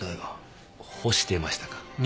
干してましたか。